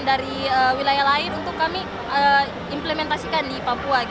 dari wilayah lain untuk kami implementasikan di papua